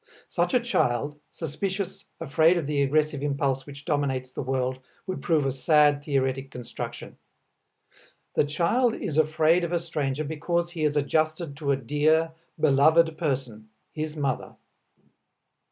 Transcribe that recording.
Such a child, suspicious, afraid of the aggressive impulse which dominates the world, would prove a sad theoretic construction. The child is afraid of a stranger because he is adjusted to a dear, beloved person, his mother.